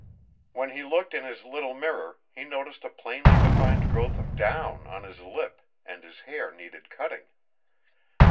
When he looked in his little mirror he noticed a plainly defined growth of down on his lip, and his hair needed cutting.